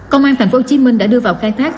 công an thành phố hồ chí minh đã đưa vào khai thác